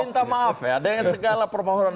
minta maaf ya dengan segala permohonan